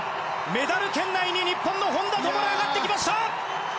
メダル圏内に日本の本多灯が上がってきました！